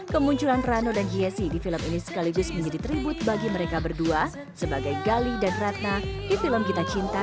kemunculan rano dan yesi di film ini sekaligus menjadi tribut bagi mereka berdua sebagai gali dan ratna di film kita cinta